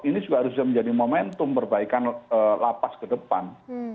ini juga harus menjadi momentum perbaikan lapas ke depan